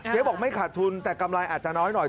บอกไม่ขาดทุนแต่กำไรอาจจะน้อยหน่อย